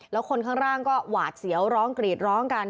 แล้วคนข้างล่างก็หวาดเสียวร้องกรีดร้องกัน